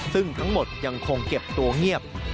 ซึ่งทั้งหมดยังคงเก็บตัวเงียบ